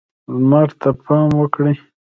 لمر ته پام وکړئ.